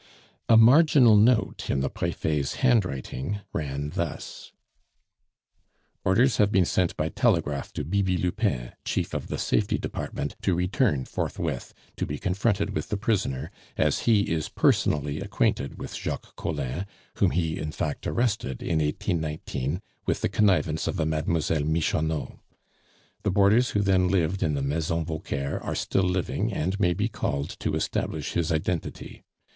A marginal note in the Prefet's handwriting ran thus: "Orders have been sent by telegraph to Bibi Lupin, chief of the Safety department, to return forthwith, to be confronted with the prisoner, as he is personally acquainted with Jacques Collin, whom he, in fact, arrested in 1819 with the connivance of a Mademoiselle Michonneau. "The boarders who then lived in the Maison Vauquer are still living, and may be called to establish his identity.